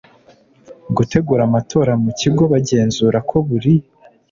Gutegura amatora mu kigo bagenzura ko buri